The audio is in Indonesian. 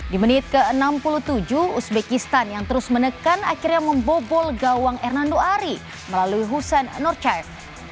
di menit ke enam puluh tujuh uzbekistan yang terus menekan akhirnya membobol gawang hernando ari melalui hussein nur chief